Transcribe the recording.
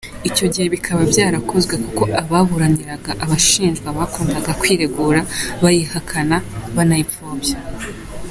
Icyo gihe bikaba byarakozwe kuko ababuraniraga abashinjwa bakundaga kwiregura bayihakana, banayipfobya.